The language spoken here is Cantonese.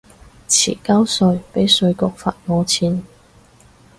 遲交稅被稅局罰我錢